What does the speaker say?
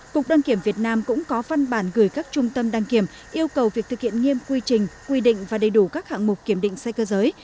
cục đăng kiểm việt nam cũng có văn bản gửi các trung tâm đăng kiểm yêu cầu việc thực hiện nghiêm quy trình quy định và đầy đủ các hạng mục kiểm định sai cơ giới